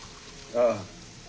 ああ。